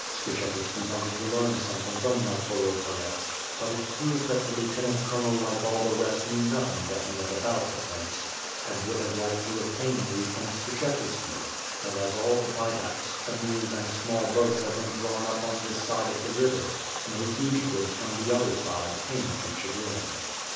Skshetuski wanted to learn something from Naokolo Palets but it proved that the lieutenant col onel like all the rest knew nothing definite about the prince and would have liked to have obtained news from Skshetuski; and, as all the baidaks, canoes, and small boats had been drawn up on this side of the river, no fugitives from the other side came to Chigrin.